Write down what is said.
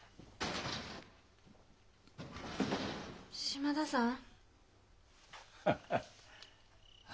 島田さん。